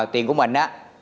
tiền của mình á